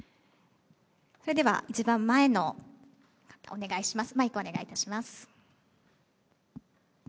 それでは一番前の方、お願いします。